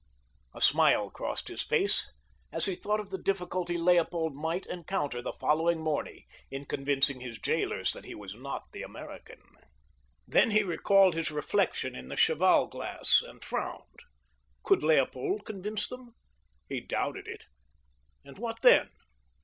A smile crossed his face as he thought of the difficulty Leopold might encounter the following morning in convincing his jailers that he was not the American. Then he recalled his reflection in the cheval glass and frowned. Could Leopold convince them? He doubted it—and what then?